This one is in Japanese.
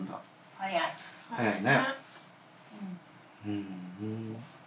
早いね。